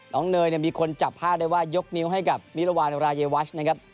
น้องเนยมีคนจับผ้าเลยว่ายกนิ้วให้กับมิรวรรณรายวัสนะครับ